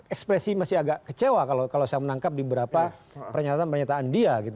ekspresi masih agak kecewa kalau saya menangkap diberapa pernyataan pernyataan dia